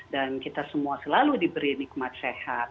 dan kita semua selalu diberi nikmat sehat